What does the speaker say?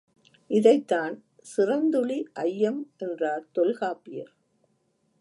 இதைத்தான் சிறந்துழி ஐயம் என்றார் தொல்காப்பியர்.